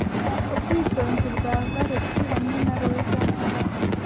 ubwitonzi bwa veleti hamwe na roza nkoraho